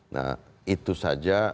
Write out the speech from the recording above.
nah itu saja